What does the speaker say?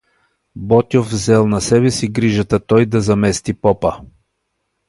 Ботйов взел на себе си грижата той да замести попа.